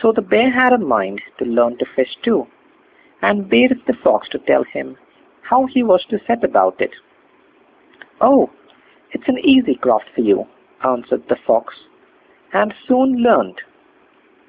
So the Bear had a mind to learn to fish too, and bade the Fox tell him how he was to set about it. "Oh! it's an easy craft for you", answered the Fox, "and soon learnt.